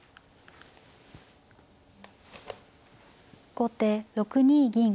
後手６二銀。